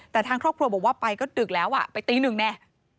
แต่ทางครอบครัวบอกว่าไปก็ดึกแล้วอ่ะไปตีหนึ่งแน่